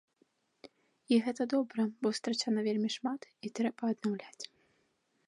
І гэта добра, бо страчана вельмі шмат, і трэба аднаўляць.